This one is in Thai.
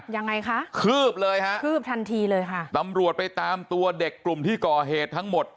ยังไงคะคืบเลยฮะคืบทันทีเลยค่ะตำรวจไปตามตัวเด็กกลุ่มที่ก่อเหตุทั้งหมด